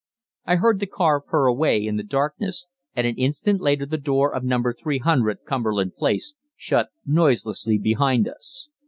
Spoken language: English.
I heard the car purr away in the darkness, and an instant later the door of number 300 Cumberland Place shut noiselessly behind us.